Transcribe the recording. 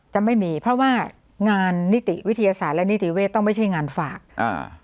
จะไม่มีเพราะว่างานนิติวิทยาศาสตร์และนิติเวศต้องไม่ใช่งานฝากอ่า